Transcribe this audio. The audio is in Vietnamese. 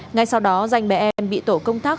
ngay sau đó danh bé em bị tổ công tác